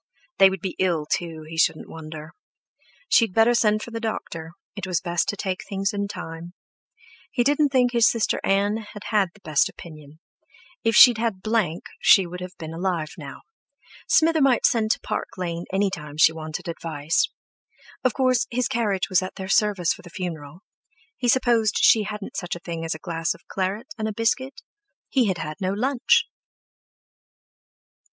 They would be ill too, he shouldn't wonder. She had better send for the doctor; it was best to take things in time. He didn't think his sister Ann had had the best opinion; if she'd had Blank she would have been alive now. Smither might send to Park Lane any time she wanted advice. Of course, his carriage was at their service for the funeral. He supposed she hadn't such a thing as a glass of claret and a biscuit—he had had no lunch!